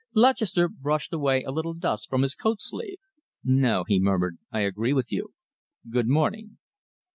Lutchester brushed away a little dust from his coat sleeve. "No," he murmured, "I agree with you. Good morning!"